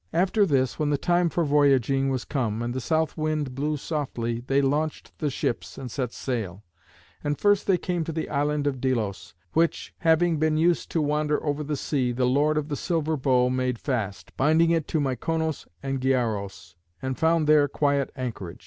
After this, when the time for voyaging was come, and the south wind blew softly, they launched the ships and set sail. And first they came to the island of Delos, which, having been used to wander over the sea, the Lord of the Silver Bow made fast, binding it to Myconos and Gyaros, and found there quiet anchorage.